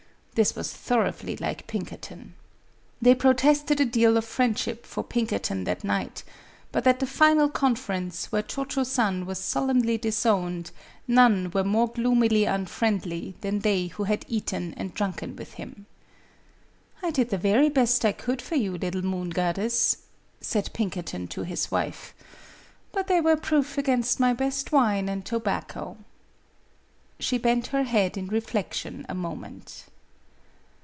This was thor oughly like Pinkerton. They 'protested a deal of friendship for Pinkerton that night; but at the final con ference, where Cho Cho San was solemnly disowned, none were more gloomily un friendly than they who had eaten and drunken with him. " I did the very best I could for you, little moon goddess," said Pinkerton to his wife; " but they were proof against my best wine and tobacco." She bent her head in reflection a moment.